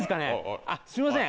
すいません。